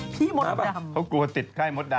พี่มดดำเขากลัวติดไข้มดดำ